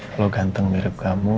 kalau ganteng mirip kamu